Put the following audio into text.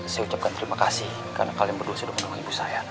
saya ucapkan terima kasih karena kalian berdua sudah menemui ibu saya